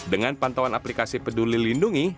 dengan pantauan aplikasi peduli lindungi